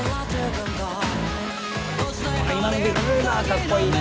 かっこいい！